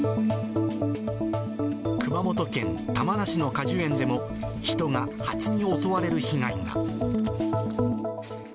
熊本県玉名市の果樹園でも、人がハチに襲われる被害が。